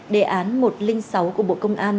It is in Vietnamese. đề án một trăm linh sáu của bộ công an